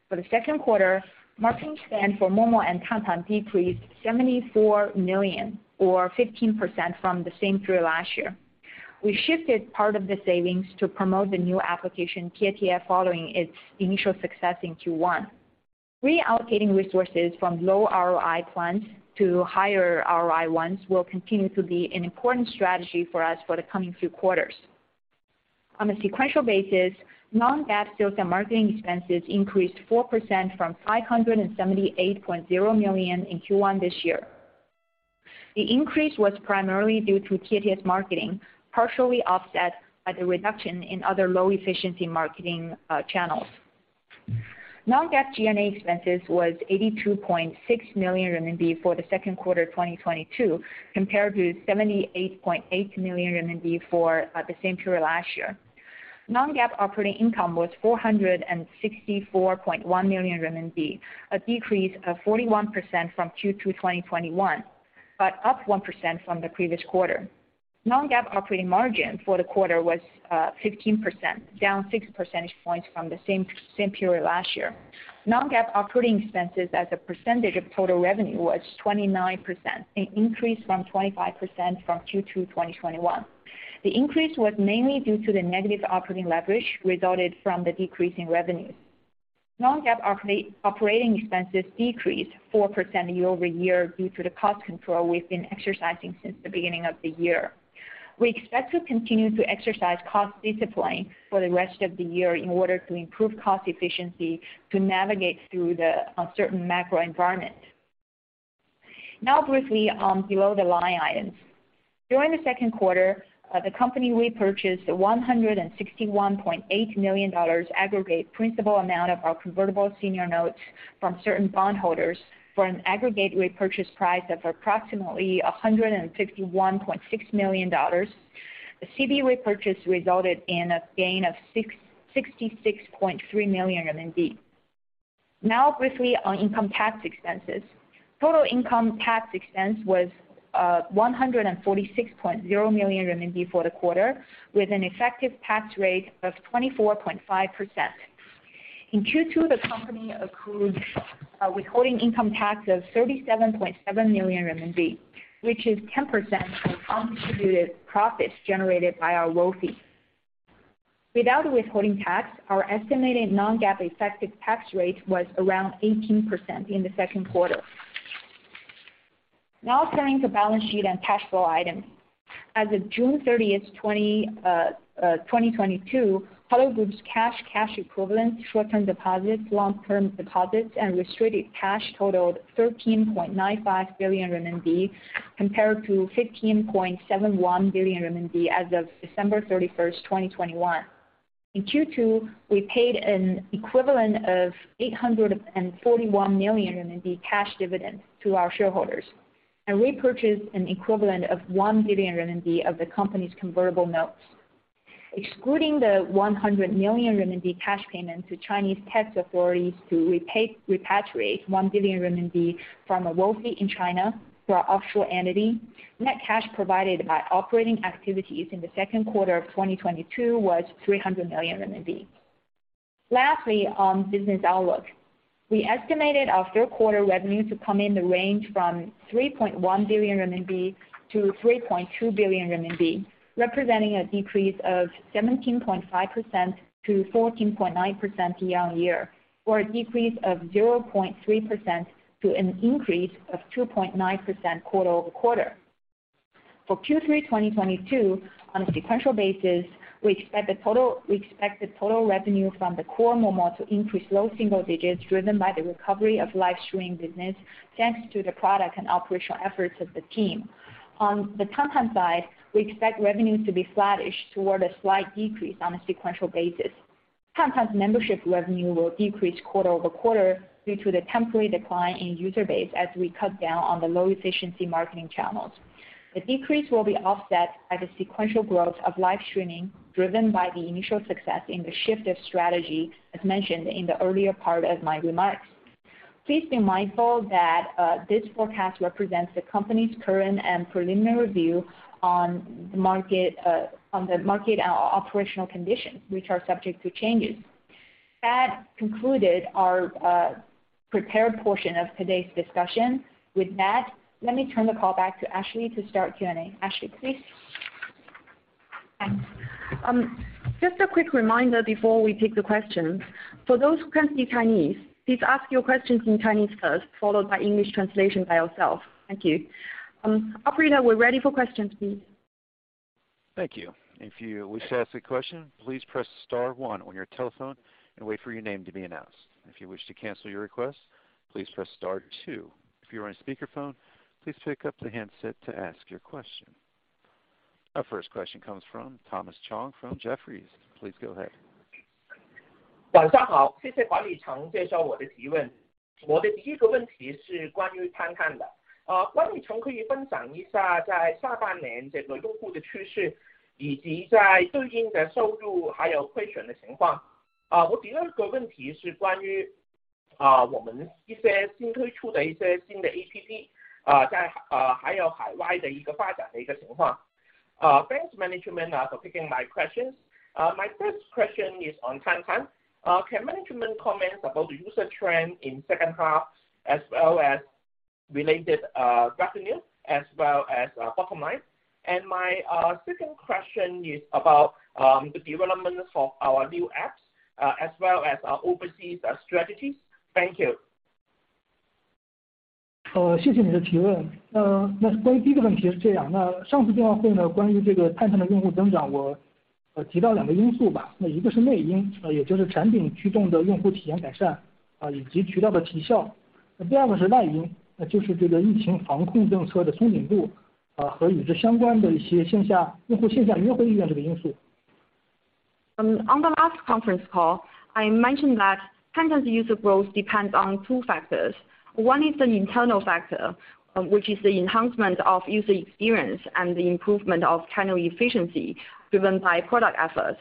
Speaker 4: For the second quarter, marketing spend for Momo and Tantan decreased 74 million or 15% from the same period last year. We shifted part of the savings to promote the new application, Tietie, following its initial success in Q1. Reallocating resources from low ROI plans to higher ROI ones will continue to be an important strategy for us for the coming few quarters. On a sequential basis, non-GAAP sales and marketing expenses increased 4% from 578.0 million in Q1 this year. The increase was primarily due to Tietie's marketing, partially offset by the reduction in other low efficiency marketing channels. Non-GAAP G&A expenses was 82.6 million RMB for the second quarter 2022, compared to 78.8 million RMB for the same period last year. Non-GAAP operating income was 464.1 million RMB, a decrease of 41% from Q2 2021, but up 1% from the previous quarter. Non-GAAP operating margin for the quarter was 15%, down 6 percentage points from the same period last year. Non-GAAP operating expenses as a percentage of total revenue was 29%, an increase from 25% from Q2 2021. The increase was mainly due to the negative operating leverage resulted from the decrease in revenues. Non-GAAP operating expenses decreased 4% year-over-year due to the cost control we've been exercising since the beginning of the year. We expect to continue to exercise cost discipline for the rest of the year in order to improve cost efficiency to navigate through the uncertain macro environment. Now briefly on below-the-line items. During the second quarter, the company repurchased $161.8 million aggregate principal amount of our convertible senior notes from certain bondholders for an aggregate repurchase price of approximately $161.6 million. The CB repurchase resulted in a gain of 66.3 million RMB. Now briefly on income tax expenses. Total income tax expense was 146.0 million renminbi for the quarter, with an effective tax rate of 24.5%. In Q2, the company accrued a withholding income tax of 37.7 million renminbi, which is 10% from contributed profits generated by our WFOE. Without the withholding tax, our estimated non-GAAP effective tax rate was around 18% in the second quarter. Now turning to balance sheet and cash flow items. As of June 30th, 2022, Hello Group's cash equivalents, short-term deposits, long-term deposits, and restricted cash totaled 13.95 billion RMB compared to 15.71 billion RMB as of December 31st, 2021. In Q2, we paid an equivalent of 841 million renminbi cash dividend to our shareholders, and repurchased an equivalent of 1 billion RMB of the company's convertible notes. Excluding the 100 million RMB cash payment to Chinese tax authorities to repatriate 1 billion RMB from a WFOE in China through our offshore entity, net cash provided by operating activities in the second quarter of 2022 was 300 million RMB. Lastly, on business outlook. We estimated our third quarter revenue to come in the range from 3.1 billion-3.2 billion RMB, representing a decrease of 17.5%-14.9% year-on-year, or a decrease of 0.3% to an increase of 2.9% quarter-over-quarter. For Q3 2022, on a sequential basis, we expect the total revenue from the core Momo to increase low single digits driven by the recovery of live streaming business, thanks to the product and operational efforts of the team. On the Tantan side, we expect revenues to be flattish toward a slight decrease on a sequential basis. Tantan's membership revenue will decrease quarter-over-quarter due to the temporary decline in user base as we cut down on the low-efficiency marketing channels. The decrease will be offset by the sequential growth of live streaming, driven by the initial success in the shift of strategy, as mentioned in the earlier part of my remarks. Please be mindful that this forecast represents the company's current and preliminary view on the market, on the market and operational conditions, which are subject to changes. That concluded our prepared portion of today's discussion. With that, let me turn the call back to Ashley to start Q&A. Ashley, please.
Speaker 2: Thanks. Just a quick reminder before we take the questions. For those who can't speak Chinese, please ask your questions in Chinese first, followed by English translation by yourself. Thank you. Operator, we're ready for questions, please.
Speaker 1: Thank you. If you wish to ask a question, please press star one on your telephone and wait for your name to be announced. If you wish to cancel your request, please press star two. If you are on speakerphone, please pick up the handset to ask your question. Our first question comes from Thomas Chong from Jefferies. Please go ahead.
Speaker 5: Thanks management for taking my questions. My first question is on Tantan. Can management comment about the user trend in second half as well as related revenue as well as bottom line? My second question is about the development of our new apps as well as our overseas strategies. Thank you.
Speaker 2: On the last conference call, I mentioned that Tantan's user growth depends on two factors. One is an internal factor, which is the enhancement of user experience and the improvement of channel efficiency driven by product efforts.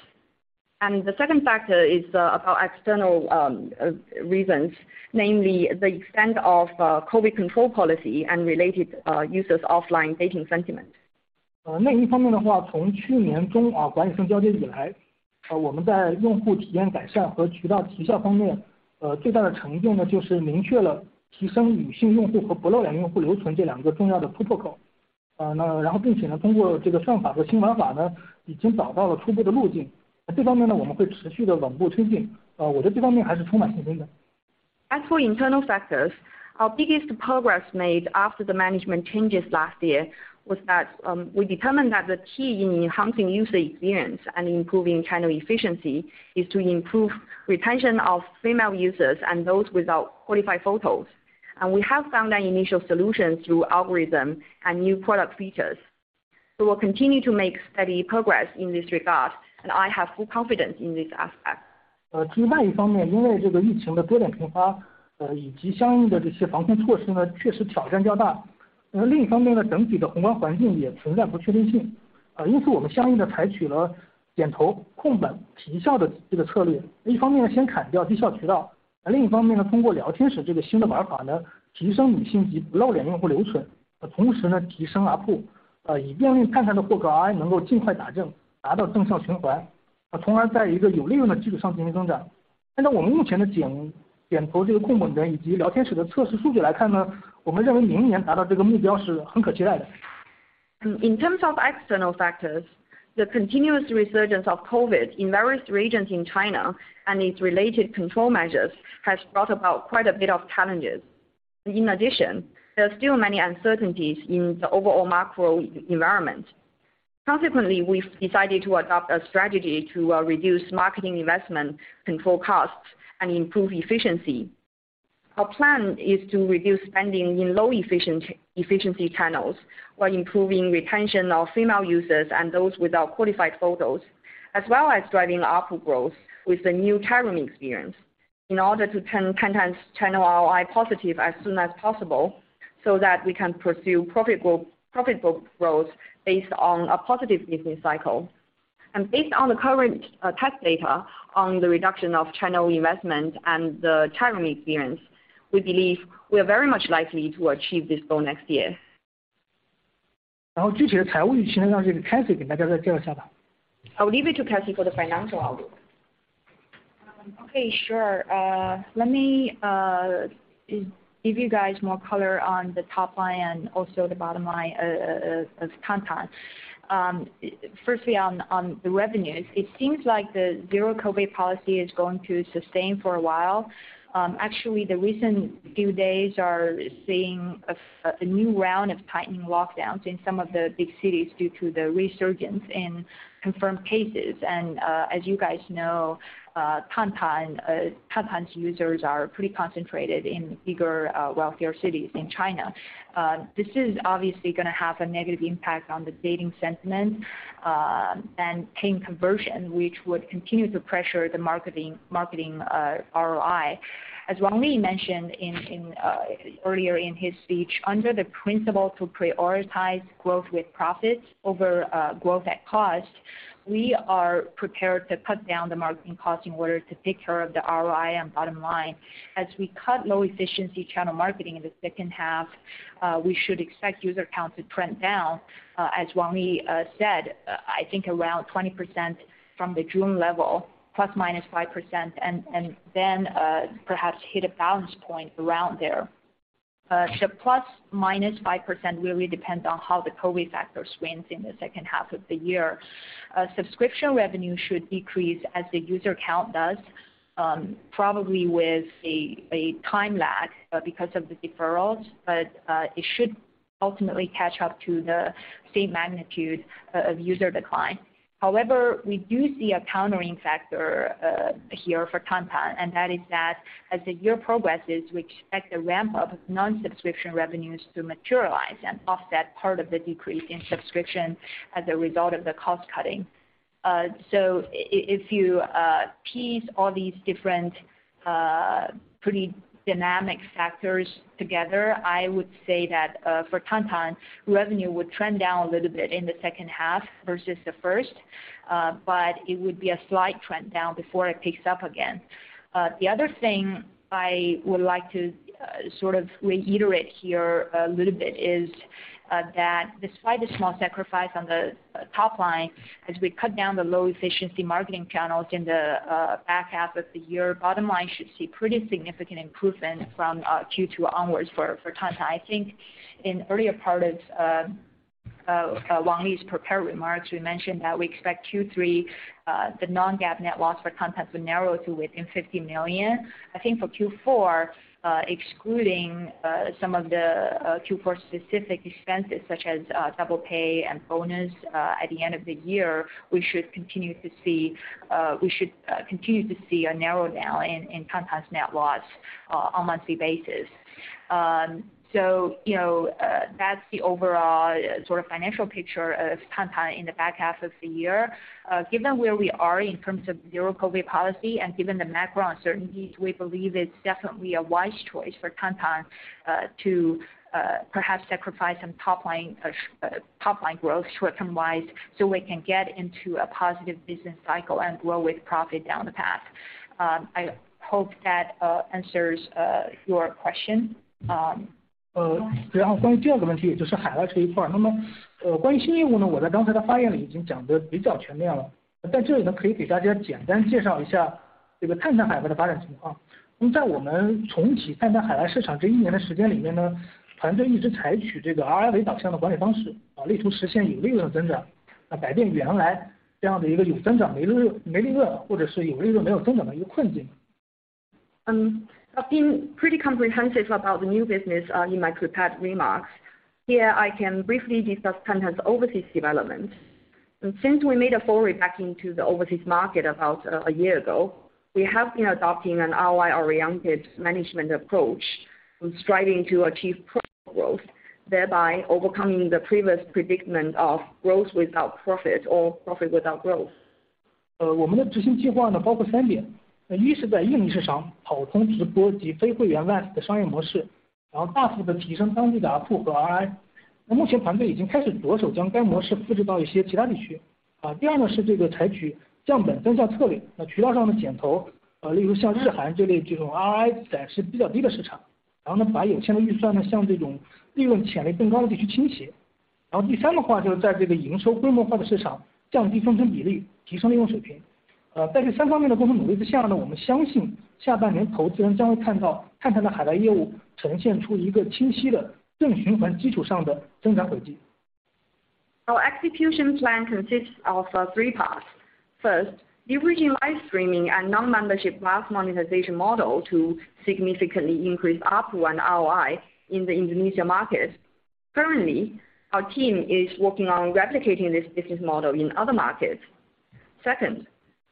Speaker 2: The second factor is about external reasons, namely the extent of COVID control policy and related users' offline dating sentiment. As for internal factors, our biggest progress made after the management changes last year was that we determined that the key in enhancing user experience and improving channel efficiency is to improve retention of female users and those without qualified photos. We have found an initial solution through algorithm and new product features. We'll continue to make steady progress in this regard, and I have full confidence in this aspect. In terms of external factors, the continuous resurgence of COVID in various regions in China and its related control measures has brought about quite a bit of challenges. In addition, there are still many uncertainties in the overall macro environment. Consequently, we've decided to adopt a strategy to reduce marketing investment, control costs, and improve efficiency. Our plan is to reduce spending in low efficiency channels while improving retention of female users and those without qualified photos, as well as driving ARPU growth with the new chatroom experience in order to turn Tantan's channel ROI positive as soon as possible, so that we can pursue profitable growth based on a positive business cycle. Based on the current test data on the reduction of channel investment and the chatroom experience, we believe we are very much likely to achieve this goal next year. I will leave it to Cathy for the financial outlook.
Speaker 4: Okay. Sure. Let me give you guys more color on the top line and also the bottom line of Tantan. Firstly on the revenues, it seems like the zero-COVID policy is going to sustain for a while. Actually, the recent few days are seeing a new round of tightening lockdowns in some of the big cities due to the resurgence in confirmed cases. As you guys know, Tantan's users are pretty concentrated in bigger wealthier cities in China. This is obviously gonna have a negative impact on the dating sentiment and paying conversion, which would continue to pressure the marketing ROI. As Wang Li mentioned earlier in his speech, under the principle to prioritize growth with profits over growth at cost, we are prepared to cut down the marketing cost in order to take care of the ROI and bottom line. As we cut low efficiency channel marketing in the second half, we should expect user count to trend down, as Wang Li said, I think around 20% from the June level, ±5% and then perhaps hit a balance point around there. The ±5% really depends on how the COVID factor swings in the second half of the year. Subscription revenue should decrease as the user count does, probably with a time lag, because of the deferrals, but it should ultimately catch up to the same magnitude of user decline. However, we do see a countering factor here for Tantan, and that is that as the year progresses, we expect a ramp up of non-subscription revenues to materialize and offset part of the decrease in subscription as a result of the cost cutting. If you piece all these different pretty dynamic factors together, I would say that for Tantan, revenue would trend down a little bit in the second half versus the first, but it would be a slight trend down before it picks up again. The other thing I would like to sort of reiterate here a little bit is that despite the small sacrifice on the top line as we cut down the low efficiency marketing channels in the back half of the year, bottom line should see pretty significant improvement from Q2 onwards for Tantan. I think in earlier part of Wang Li's prepared remarks, we mentioned that we expect Q3 the Non-GAAP net loss for Tantan to narrow to within 50 million. I think for Q4, excluding some of the Q4 specific expenses such as double pay and bonus at the end of the year, we should continue to see a narrow down in Tantan's net loss on monthly basis. You know, that's the overall sort of financial picture of Tantan in the back half of the year. Given where we are in terms of zero-COVID policy and given the macro uncertainties, we believe it's definitely a wise choice for Tantan to perhaps sacrifice some top line growth short term wise, so we can get into a positive business cycle and grow with profit down the path. I hope that answers your question.
Speaker 2: I've been pretty comprehensive about the new business in my prepared remarks. Here I can briefly discuss Tantan's overseas development. Since we made a foray back into the overseas market about a year ago, we have been adopting an ROI-oriented management approach and striving to achieve profit growth, thereby overcoming the previous predicament of growth without profit or profit without growth. Our execution plan consists of three parts. First, leveraging live streaming and non-membership cash monetization model to significantly increase ARPU and ROI in the Indonesian market. Currently, our team is working on replicating this business model in other markets. Second,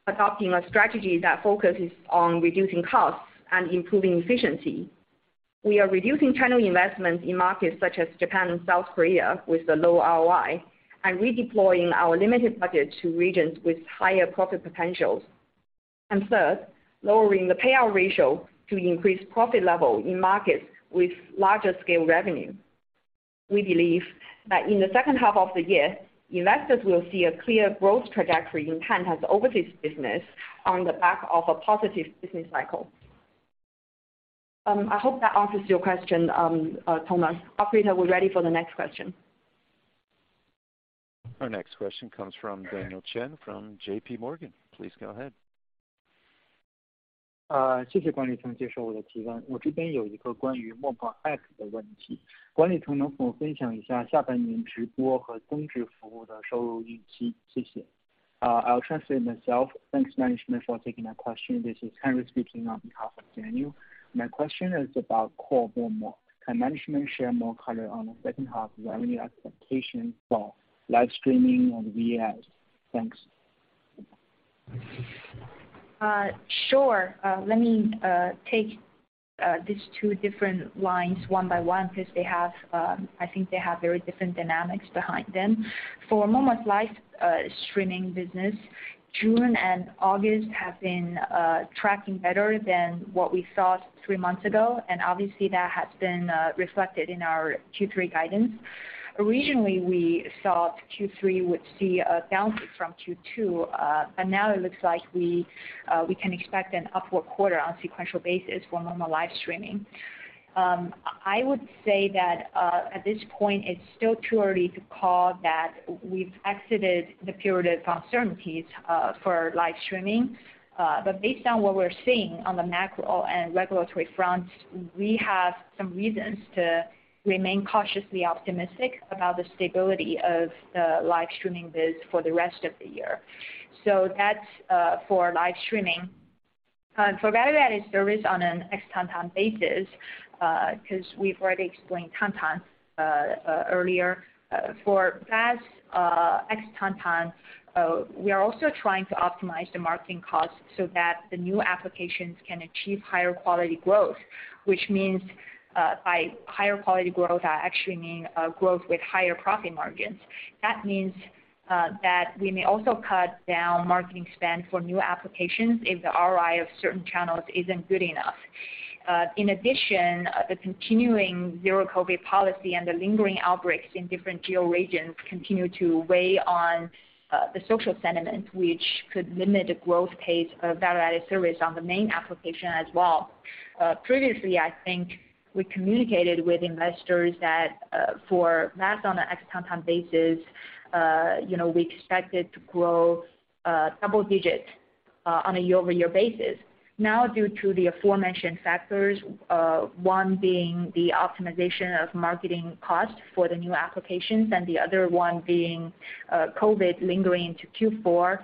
Speaker 2: adopting a strategy that focuses on reducing costs and improving efficiency. We are reducing channel investments in markets such as Japan and South Korea with a low ROI, and redeploying our limited budget to regions with higher profit potentials. Third, lowering the payout ratio to increase profit level in markets with larger scale revenue. We believe that in the second half of the year, investors will see a clear growth trajectory in content over this business on the back of a positive business cycle. I hope that answers your question, Thomas. Operator, we're ready for the next question.
Speaker 1: Our next question comes from Daniel Chen from JPMorgan. Please go ahead.
Speaker 6: I'll translate myself. Thanks, management, for taking my question. This is Henry speaking on behalf of Daniel. My question is about core Momo. Can management share more color on the second half revenue expectation for live streaming and VAS? Thanks.
Speaker 4: Sure. Let me take these two different lines one by one because they have, I think they have very different dynamics behind them. For Momo's live streaming business, June and August have been tracking better than what we saw three months ago, and obviously that has been reflected in our Q3 guidance. Originally, we thought Q3 would see a bounce from Q2, but now it looks like we can expect an upward quarter on a sequential basis for Momo live streaming. I would say that at this point it's still too early to call that we've exited the period of uncertainties for live streaming. Based on what we're seeing on the macro and regulatory front, we have some reasons to remain cautiously optimistic about the stability of the live streaming biz for the rest of the year. That's for live streaming. For value-added service on an ex-Tantan basis, 'cause we've already explained Tantan earlier. For VAS, ex-Tantan, we are also trying to optimize the marketing costs so that the new applications can achieve higher quality growth. Which means, by higher quality growth, I actually mean, growth with higher profit margins. That means, that we may also cut down marketing spend for new applications if the ROI of certain channels isn't good enough. In addition, the continuing zero-COVID policy and the lingering outbreaks in different geo regions continue to weigh on the social sentiment, which could limit the growth pace of value-added service on the main application as well. Previously, I think we communicated with investors that for VAS on an ex-Tantan basis, you know, we expected to grow double-digit on a year-over-year basis. Now, due to the aforementioned factors, one being the optimization of marketing costs for the new applications and the other one being COVID lingering into Q4,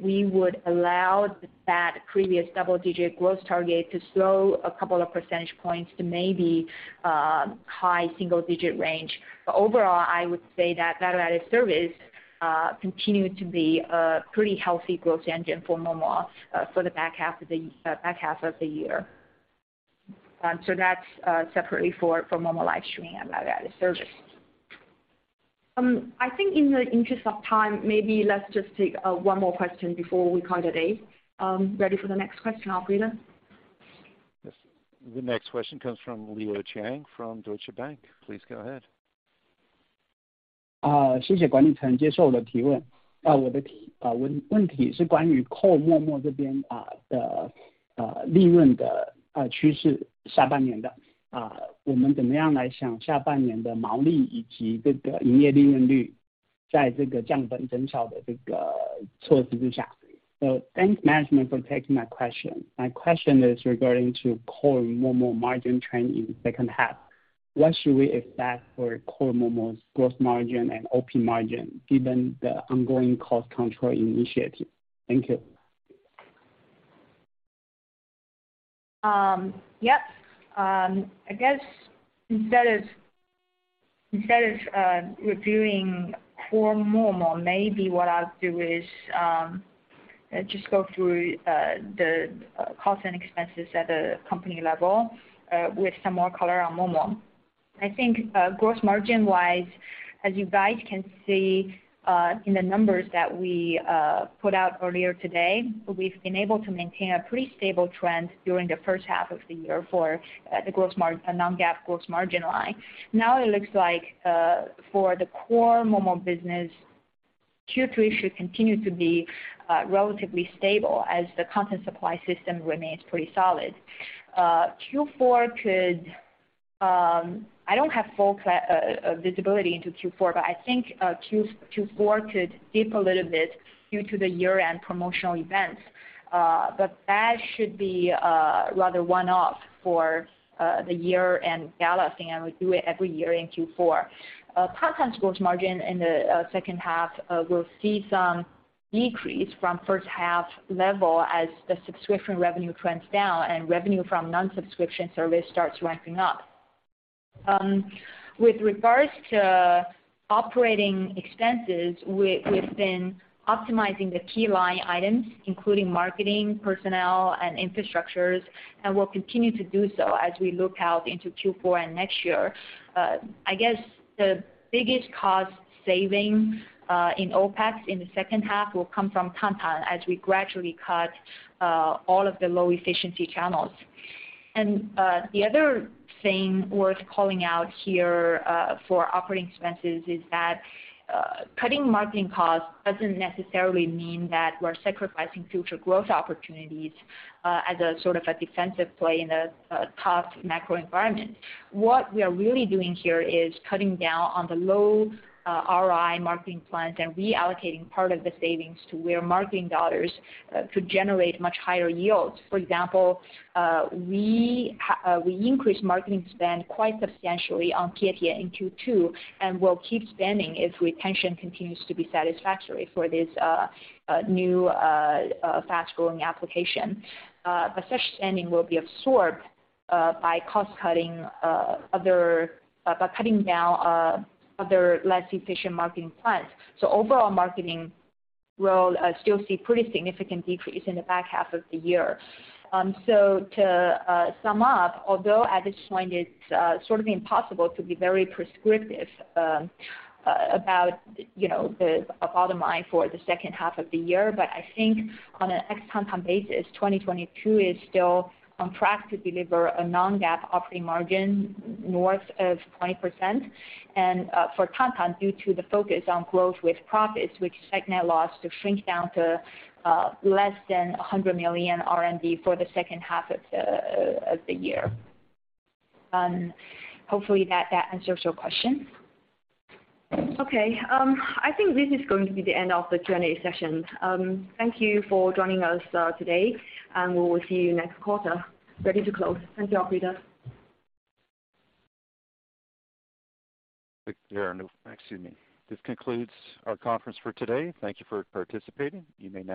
Speaker 4: we would allow that previous double-digit growth target to slow a couple of percentage points to maybe high single-digit range. Overall, I would say that value-added service continue to be a pretty healthy growth engine for Momo for the back half of the year. That's separately for Momo live streaming and value-added service. I think in the interest of time, maybe let's just take one more question before we call it a day. Ready for the next question, operator?
Speaker 1: Yes. The next question comes from Leo Chiang from Deutsche Bank. Please go ahead.
Speaker 7: Speak Chinese. Thanks management for taking my question. My question is regarding to core Momo margin trend in second half. What should we expect for core Momo's growth margin and OP margin given the ongoing cost control initiative? Thank you.
Speaker 4: I guess instead of reviewing core Momo, maybe what I'll do is just go through the cost and expenses at a company level, with some more color on Momo. I think gross margin-wise, as you guys can see, in the numbers that we put out earlier today, we've been able to maintain a pretty stable trend during the first half of the year for the non-GAAP gross margin line. Now it looks like for the core Momo business, Q3 should continue to be relatively stable as the content supply system remains pretty solid. Q4 could, I don't have full visibility into Q4, but I think Q4 could dip a little bit due to the year-end promotional events. That should be rather one-off for the year-end gala thing, and we do it every year in Q4. Tantan's gross margin in the second half will see some decrease from first half level as the subscription revenue trends down and revenue from non-subscription service starts ramping up. With regards to operating expenses, we've been optimizing the key line items, including marketing, personnel, and infrastructures, and we'll continue to do so as we look out into Q4 and next year. I guess the biggest cost savings in OpEx in the second half will come from Tantan as we gradually cut all of the low-efficiency channels. The other thing worth calling out here for operating expenses is that cutting marketing costs doesn't necessarily mean that we're sacrificing future growth opportunities as a sort of a defensive play in a tough macro environment. What we are really doing here is cutting down on the low ROI marketing plans and reallocating part of the savings to where marketing dollars could generate much higher yields. For example, we increased marketing spend quite substantially on Tietie in Q2, and we'll keep spending if retention continues to be satisfactory for this new fast-growing application. But such spending will be absorbed by cutting down other less efficient marketing plans. Overall marketing will still see pretty significant decrease in the back half of the year. To sum up, although at this point it's sort of impossible to be very prescriptive about, you know, the bottom line for the second half of the year, but I think on an ex-Tantan basis, 2022 is still on track to deliver a non-GAAP operating margin north of 20%. For Tantan, due to the focus on growth with profits, we expect net loss to shrink down to less than 100 million for the second half of the year. Hopefully that answers your question.
Speaker 2: Okay. I think this is going to be the end of the Q&A session. Thank you for joining us, today, and we will see you next quarter. Ready to close. Thank you, operator.
Speaker 1: This concludes our conference for today. Thank you for participating. You may now disconnect.